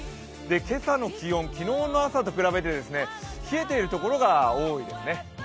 今朝の気温、昨日の朝と比べて冷えている所が多いですね。